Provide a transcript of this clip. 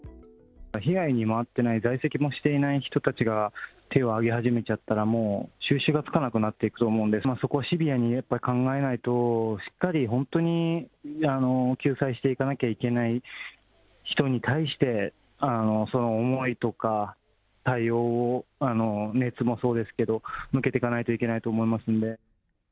被害にも遭ってない、在籍もしていない人たちが手を挙げ始めちゃったらもう、収拾がつかなくなっていくと思うんで、そこはシビアにやっぱ考えないと、しっかり本当に救済していかなきゃいけない人に対して、その思いとか対応を、熱もそうですけど、向けていかないといけないと思いますんで。